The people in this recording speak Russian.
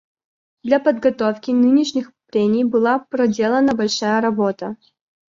Для подготовки нынешних прений была проделана большая работа.